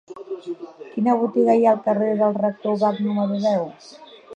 Quina botiga hi ha al carrer del Rector Ubach número deu?